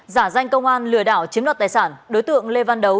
giả danh công an lừa đảo chiếm đoạt tài sản đối tượng lê văn đấu